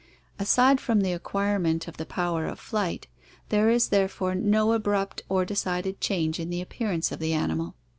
Aside from the acquirement of the power of flight, there is therefore no abrupt or decided change in the appearance of the animal.